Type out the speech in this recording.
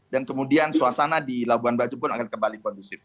dan kemudian suasana di labon bajo pun akan kembali kondusif